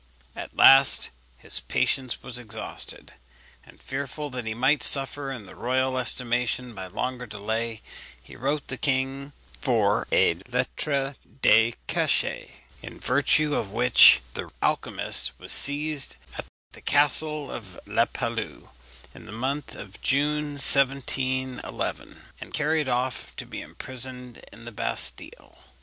At last his patience was exhausted; and fearful that he might suffer in the royal estimation by longer delay, he wrote to the king for a lettre de cachet, in virtue of which the alchymist was seized at the castle of La Palu, in the month of June 1711, and carried off to be imprisoned in the Bastille.